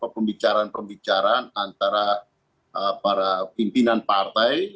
pembicaraan pembicaraan antara para pimpinan partai